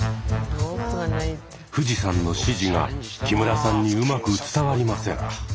冨士さんの指示が木村さんにうまく伝わりません。